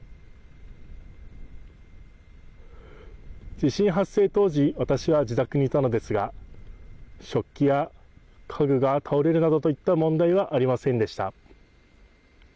地震発生当時、私は自宅にいたのですが、食器や家具が倒れるなどといった問題はありませんでした。